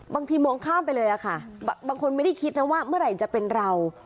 บางทีมองข้ามไปเลยค่ะบางคนไม่ได้คิดนะว่าเมื่อไหร่จะเป็นเรา